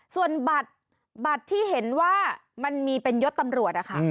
ส่วนบัตรบัตรที่เห็นว่ามันมีเป็นยศตำรวจนะคะ